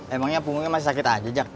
emangnya punggungnya masih sakit aja jack